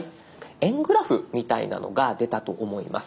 円グラフみたいなのが出たと思います。